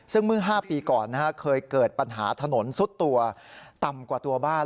ซึ่งเมื่อ๕ปีก่อนเคยเกิดปัญหาถนนซุดตัวต่ำกว่าตัวบ้าน